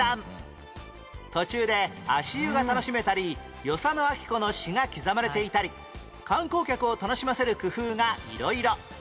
途中で足湯が楽しめたり与謝野晶子の詩が刻まれていたり観光客を楽しませる工夫が色々